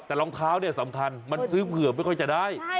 แต่รองเท้าเนี่ยสำคัญมันซื้อเผื่อไม่ค่อยจะได้